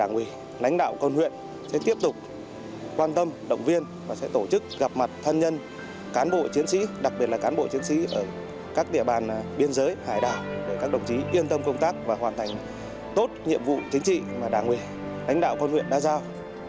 đảng ủy lãnh đạo con huyện sẽ tiếp tục quan tâm động viên và sẽ tổ chức gặp mặt thân nhân cán bộ chiến sĩ đặc biệt là cán bộ chiến sĩ ở các địa bàn biên giới hải đảo để các đồng chí yên tâm công tác và hoàn thành tốt nhiệm vụ chính trị mà đảng ủy lãnh đạo con huyện đã giao